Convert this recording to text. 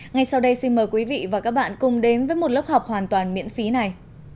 ngay sau đây xin mời quý vị và các bạn cùng đến với một lớp học hoàn toàn miễn phí này